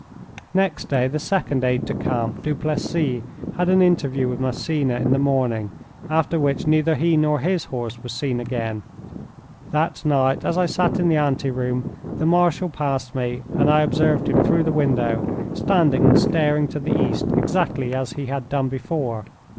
Next day the second aide de camp, Duplessis, had an interview with Massena in the morning, after which neither he nor his horse was seen again. That night, as I sat in the ante room, the Marshal passed me, and I observed him through the window standing and staring to the east exactly as he had done before.